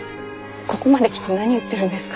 ここまで来て何言ってるんですか。